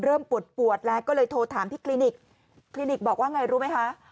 ปวดปวดแล้วก็เลยโทรถามพี่คลินิกคลินิกบอกว่าไงรู้ไหมคะ